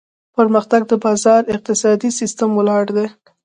پرمختګ د بازار اقتصادي سیستم ولاړ دی.